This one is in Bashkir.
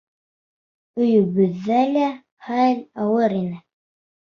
Өйөбөҙҙә лә хәл ауыр ине.